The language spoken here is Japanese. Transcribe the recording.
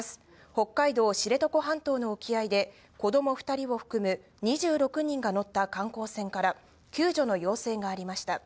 北海道知床半島の沖合で、子ども２人を含む２６人が乗った観光船から、救助の要請がありました。